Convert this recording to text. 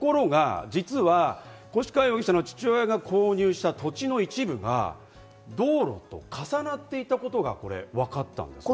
ところが実は、越川容疑者の父親が購入した土地の一部が道路と重なっていたことがわかったんですね。